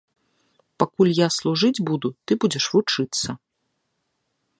Пакуль я служыць буду, ты будзеш вучыцца.